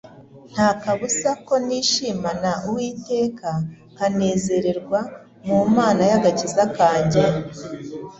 nta kabuza ko nishimana Uwiteka, nkanezererwa mu Mana y'agakiza kanjye